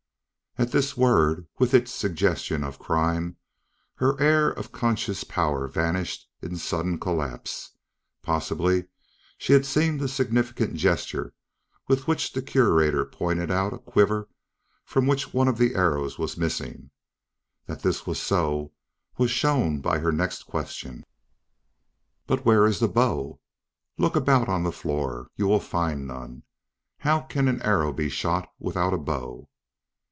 At this word, with its suggestion of crime, her air of conscious power vanished in sudden collapse. Possibly she had seen the significant gesture with which the Curator pointed out a quiver from which one of the arrows was missing. That this was so, was shown by her next question: "But where is the bow? Look about on the floor. You will find none. How can an arrow be shot without a bow?"